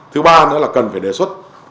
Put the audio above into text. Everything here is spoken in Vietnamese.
thứ ba nữa là cần phải đề xuất